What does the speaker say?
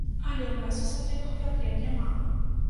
Але ў нас асаблівых праблем няма.